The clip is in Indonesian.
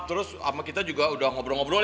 terus sama kita juga udah ngobrol ngobrol